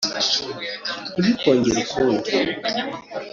Ntibikongere ukundi